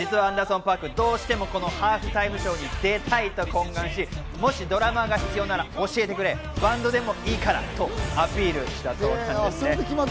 実はアンダーソン・パーク、どうしてもこのハーフタイムショーに出たいと懇願し、もしドラマーが必要なら教えてくれ、バンドでもいいからとアピールしたそうです。